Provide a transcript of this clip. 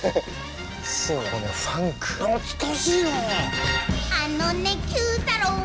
懐かしいな。